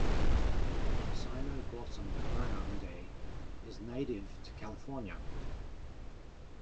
"Cynoglossom grande" is native to California.